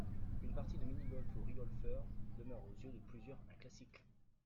Une partie de mini-golf au Rigolfeur demeure aux yeux de plusieurs un classique.